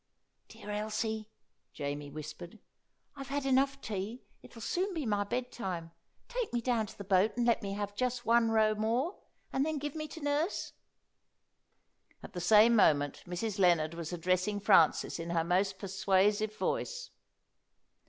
"Dear Elsie," Jamie whispered, "I've had enough tea. It'll soon be my bedtime. Take me down to the boat and let me have just one row more, and then give me to nurse." At the same moment Mrs. Lennard was addressing Francis in her most persuasive voice.